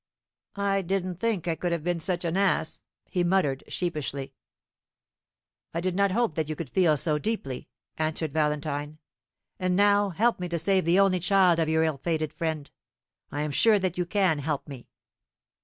"I didn't think I could have been such an ass," he muttered sheepishly. "I did not hope that you could feel so deeply," answered Valentine. "And now help me to save the only child of your ill fated friend. I am sure that you can help me."